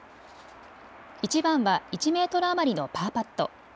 １番は１メートル余りのパーパット。